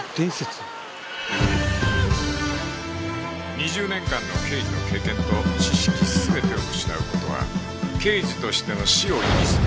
２０年間の刑事の経験と知識全てを失う事は刑事としての死を意味する悲劇だ